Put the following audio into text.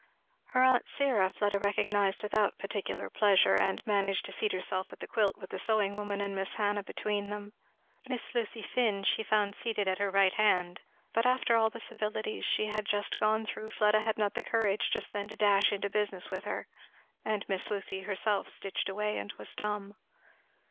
Her aunt Syra Fleda recognised without particular pleasure and managed to seat herself at the quilt with the sewing woman and Miss Hannah between them. Miss Lucy Finn she found seated at her right hand, but after all the civilities she had just gone through Fleda had not courage just then to dash into business with her, and Miss Lucy herself stitched away and was dumb.